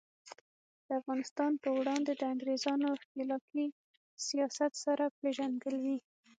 د افغانستان په وړاندې د انګریزانو ښکیلاکي سیاست سره پیژندګلوي.